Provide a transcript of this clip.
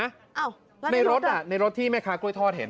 อ้าวแล้วในรถอ่ะในรถที่แม่ค้ากล้วยทอดเห็น